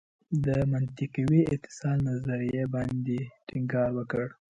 د منطقوي اتصال نظریې باندې ټینګار وکړ.